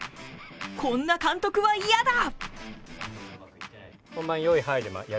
こんな監督は、イヤだ！